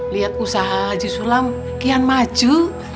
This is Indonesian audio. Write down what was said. lihat usaha haji sulam kian maju